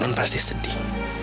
memang pasti sedih